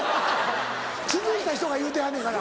続いた人が言うてはんねんから。